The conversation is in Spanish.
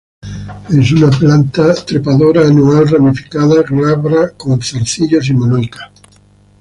Es una planta trepadora anual ramificada glabra, con zarcillos y monoica.